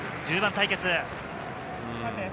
１０番対決。